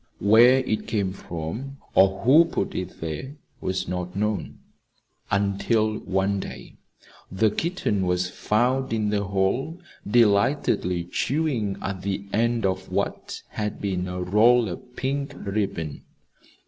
Where it came from, or who put it there was not known until one day the kitten was found in the hall delightedly chewing at the end of what had been a roll of pink ribbon.